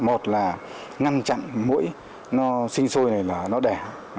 một là ngăn chặn mũi nó sinh sôi này là nó đẻ